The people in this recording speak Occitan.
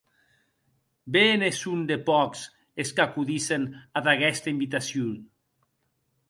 Be ne son de pòcs es qu’acodissen ad aguesta invitacion!